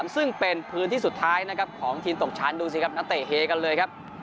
ซึ่งเป็นพื้นที่สุดท้ายนะครับของทีมตกชั้นดูสิครับนักเตะเฮกันเลยครับ